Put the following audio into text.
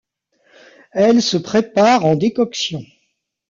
Elles se préparent en décoction.